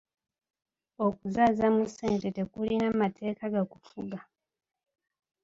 Okuzaaza mu ssente tekulina mateeka gakufuga.